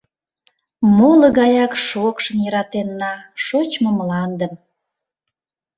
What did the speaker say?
Моло гаяк шокшын йӧратенна Шочмо мландым.